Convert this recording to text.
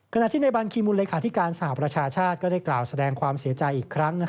ขณะที่ในบัญคีมูลเลขาธิการสหประชาชาติก็ได้กล่าวแสดงความเสียใจอีกครั้ง